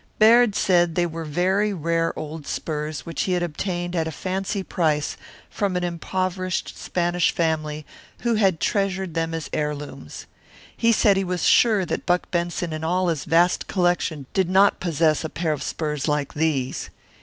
Baird said they were very rare old spurs which he had obtained at a fancy price from an impoverished Spanish family who had treasured them as heirlooms. He said he was sure that Buck Benson in all his vast collection did not possess a pair of spurs like these.